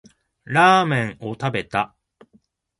ラーメンを食べた